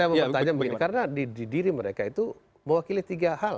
saya mau bertanya begini karena di diri mereka itu mewakili tiga hal